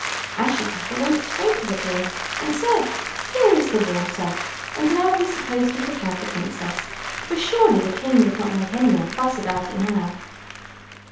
Ashiepattle went straight to the king and said: "Here is the water;" and now he supposed he could have the princess, for surely the king would not make any more fuss about it now.